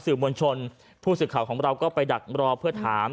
สื่อมวลชนผู้สื่อข่าวของเราก็ไปดักรอเพื่อถาม